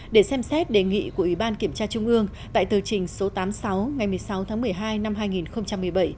để xem xét đề nghị của ủy ban kiểm tra trung ương tại tờ trình số tám mươi sáu ngày một mươi sáu tháng một mươi hai năm hai nghìn một mươi bảy